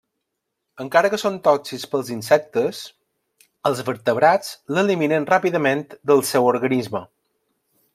Encara que són tòxics pels insectes, els vertebrats l'eliminen ràpidament del seu organisme.